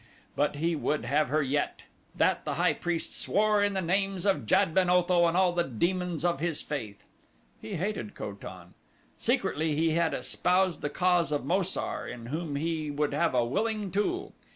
But he would have her yet that the high priest swore in the names of Jad ben Otho and all the demons of his faith. He hated Ko tan. Secretly he had espoused the cause of Mo sar, in whom he would have a willing tool.